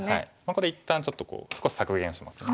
これ一旦ちょっとこう少し削減しますね。